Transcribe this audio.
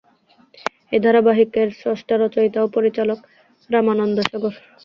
এই ধারাবাহিকের স্রষ্টা, রচয়িতা ও পরিচালক রামানন্দ সাগর।